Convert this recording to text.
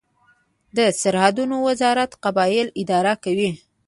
د سرحدونو وزارت قبایل اداره کوي